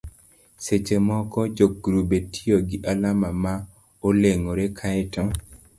seche moko jogrube tiyo gi alama ma olengore kae to